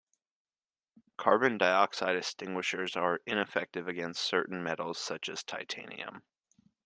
Carbon dioxide extinguishers are ineffective against certain metals such as titanium.